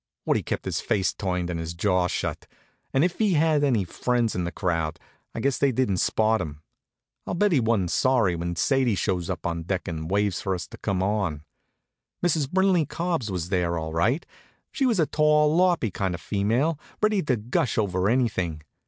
Woodie kept his face turned and his jaw shut, and if he had any friends in the crowd I guess they didn't spot him. I'll bet he wa'n't sorry when Sadie shows up on deck and waves for us to come on. Mrs. Brinley Cubbs was there, all right. She was a tall, loppy kind of female, ready to gush over anything.